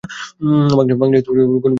বাংলাদেশে কোন ভূমিরূপটি দেখা যায় না?